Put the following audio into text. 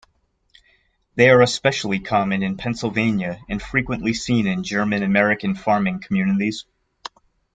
They are especially common in Pennsylvania and frequently seen in German-American farming communities.